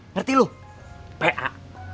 ngerti lu pa